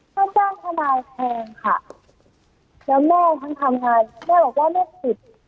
ถ้าจ้างคณายแพงค่ะแล้วแม่ต้องทำงานแม่บอกว่าไม่สิทธิ์